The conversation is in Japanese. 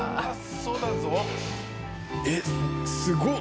えっすごっ！